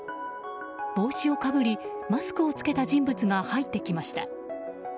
帽子をかぶり、マスクを着けた人物が入ってきました。